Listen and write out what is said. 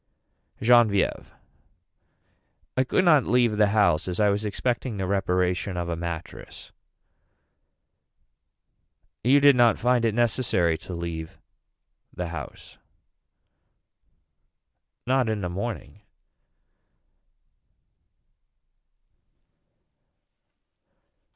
Genevieve. I could not leave the house as I was expecting the reparation of a mattress. You did not find it necessary to leave the house. Not in the morning.